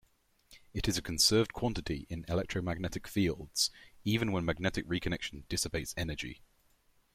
It is a conserved quantity in electromagnetic fields, even when magnetic reconnection dissipates energy.